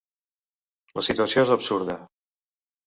La situació és absurda.